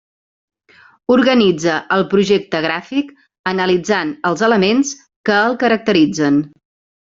Organitza el projecte gràfic analitzant els elements que el caracteritzen.